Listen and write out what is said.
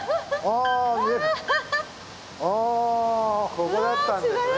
ここだったんですね。